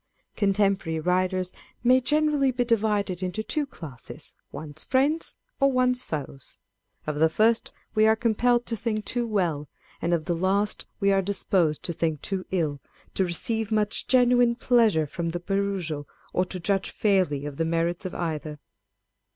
Contemporary writers may generally be divided into two classes â€" one's friends or one's foes. Of the first we are compelled to think too well, and of the last we are disposed to think too ill, to receive much genuine pleasure from the perusal, or to judge fairly of the merits of either.